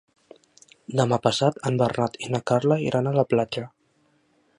Demà passat en Bernat i na Carla iran a la platja.